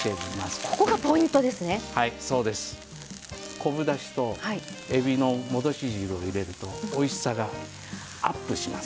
昆布だしとえびの戻し汁を入れるとおいしさがアップします。